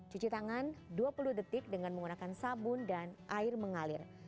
cuci tangan dua puluh detik dengan menggunakan sabun dan air mengalir